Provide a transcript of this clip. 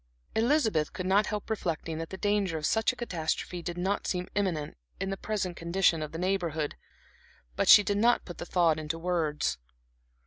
Elizabeth could not help reflecting that the danger of such a catastrophe did not seem imminent, in the present condition of the Neighborhood; but she did not put the thought into words.